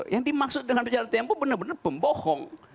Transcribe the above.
yang dimaksud dengan pejabat tempo benar benar pembohong